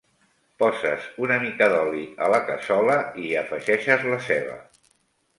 Poses una mica d'oli a la cassola i hi afegeixes la ceba.